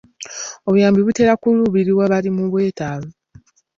Obuyambi butera kuluubirira bali mu bwetaavu.